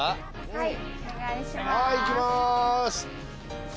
はい！